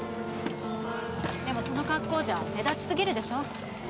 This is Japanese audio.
でもその格好じゃ目立ちすぎるでしょ。